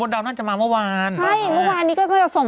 เราจะได้เล่าข่าวให้คุณผู้ชมฟัง